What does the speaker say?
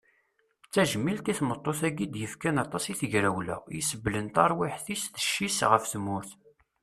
D tajmilt i tmeṭṭut-agi id yefkan aṭas i tegrawla, i iseblen tarwiḥt-is d cci-s ɣef tmurt.